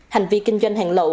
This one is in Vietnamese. hành vi kinh doanh hàng lậu